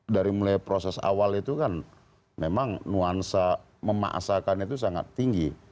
dari mulai proses awal itu kan memang nuansa memaasakan itu sangat tinggi